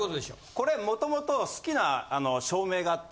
これ元々好きな照明があって。